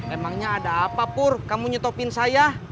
emangnya ada apa pur kamu nyutupin saya